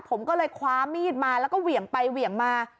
ผมก็เลยคว้ามีดมาแล้วก็เหวี่ยงไปเหวี่ยงมา